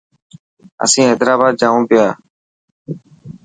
اسين حيدرآباد جائو پيا.